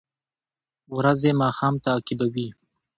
ورځې ماښام تعقیبوي